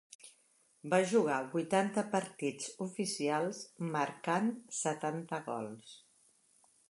Va jugar vuitanta partits oficials, marcant setanta gols.